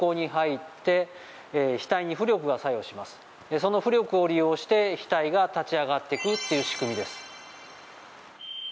その浮力を利用して扉体が立ち上がってくっていう仕組みです。